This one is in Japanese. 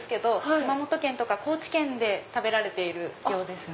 熊本県とか高知県で食べられている料理ですね。